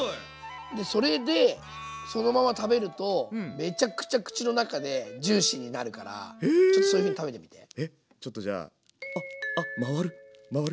でそれでそのまま食べるとめちゃくちゃ口の中でジューシーになるからちょっとちょっとじゃああっあ回る回る！